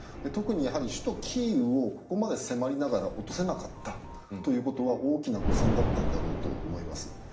特に首都キーウをここまで迫りながら落とせなかったということは大きな誤算だったんだろうと思います。